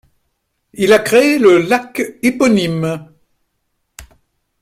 Il a créé le lac éponyme.